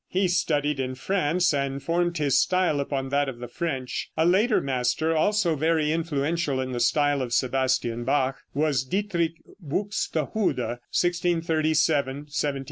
He studied in France, and formed his style upon that of the French. A later master, also very influential in the style of Sebastian Bach, was Dietrich Buxtehude (1637 1707).